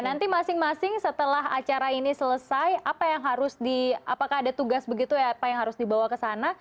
nanti masing masing setelah acara ini selesai apa yang harus di apakah ada tugas begitu ya pak yang harus dibawa ke sana